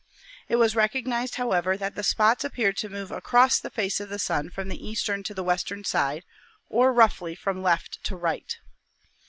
It was recognised, however, that the spots appeared to move across the face of the Sun from the eastern to the western side, or roughly from left to right.